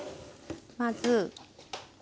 まず。